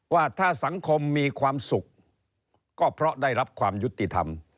ว่าถ้าสังคมมีความสุขก็เพราะได้รับความยุติธรรม